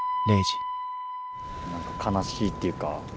なんか悲しいっていうか。